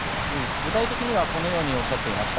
具体的にはこのようにおっしゃっていました。